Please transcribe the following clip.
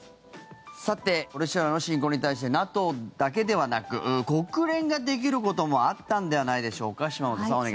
さて、ロシアの侵攻に対してＮＡＴＯだけではなく国連ができることもあったのではないでしょうか。